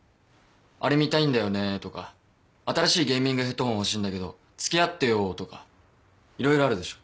あれ見たいんだよねとか新しいゲーミングヘッドホン欲しいんだけど付き合ってよとか色々あるでしょ。